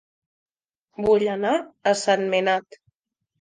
Vull anar a Sentmenat